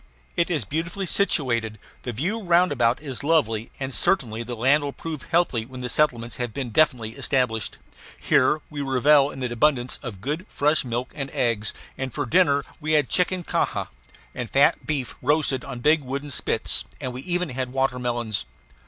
It is beautifully situated: the view roundabout is lovely, and certainly the land will prove healthy when settlements have been definitely established. Here we revelled in abundance of good fresh milk and eggs; and for dinner we had chicken canja and fat beef roasted on big wooden spits; and we even had watermelons.